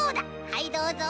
はいどうぞ。